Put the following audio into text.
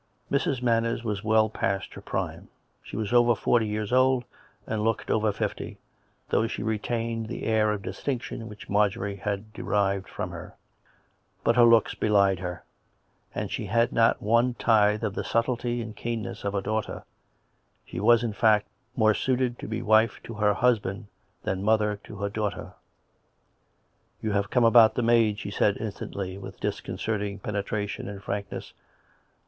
Mrs. Manners was well past her prime. She was over forty years old and looked over fifty, though she retained the air of distinction which Marjorie had derived from her; but her looks belied her, and she had not one tithe of the subtlety and keenness of her daughter. She was, in fact, more suited to be wife to her husband than mother to her daughter. " You have come about the maid," she said instantly, with disconcerting penetration and frankness.